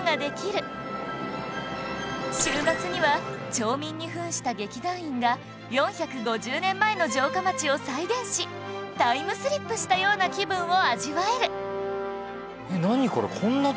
週末には町民に扮した劇団員が４５０年前の城下町を再現しタイムスリップしたような気分を味わえる